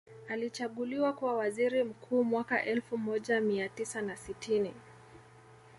Alichaguliwa kuwa waziri mkuu mwaka elfu moja mia tisa na sitini